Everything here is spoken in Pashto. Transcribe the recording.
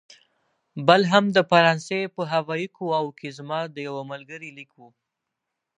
بل هم د فرانسې په هوايي قواوو کې زما د یوه ملګري لیک و.